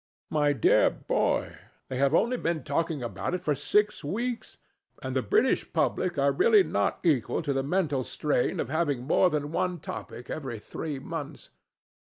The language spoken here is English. "My dear boy, they have only been talking about it for six weeks, and the British public are really not equal to the mental strain of having more than one topic every three months.